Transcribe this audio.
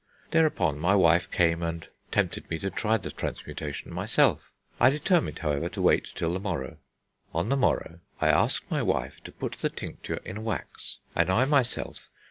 Thereupon my wife came and tempted me to try the transmutation myself. I determined however to wait till the morrow. On the morrow ... I asked my wife to put the tincture in wax, and I myself